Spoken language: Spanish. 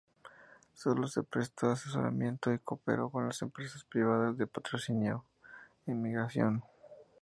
Sólo se prestó asesoramiento y cooperó con las empresas privadas de patrocinio emigración.